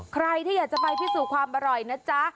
ใครที่อยากจะไปพิสูจน์ความอร่อยนะจ๊ะ